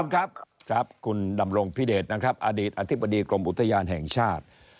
ครับครับคุณดำรงพิเดชนะครับอดีตอธิบดีกรมอุทยานแห่งชาติ